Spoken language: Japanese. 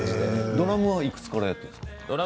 ドラムはいくつぐらいからやっているんですか。